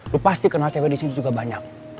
lo pasti kenal cewek disini juga banyak